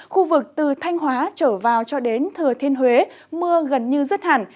khu vực từ thanh hóa trở vào cho đến thừa thiên huế mưa gần như rứt hẳn